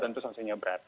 tentu sangsinya berat